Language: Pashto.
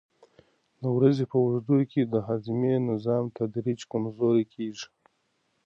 د ورځې په اوږدو کې د هاضمې نظام تدریجي کمزوری کېږي.